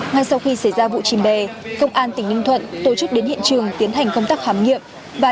ngay sau khi xảy ra vụ chìm bè công an tỉnh ninh thuận tổ chức đến hiện trường tiến hành công tác khám nghiệm và